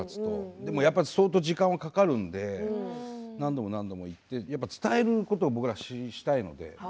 でもやっぱり相当時間がかかるので何度も何度も行ってやっぱり伝えることを僕らはしたいので。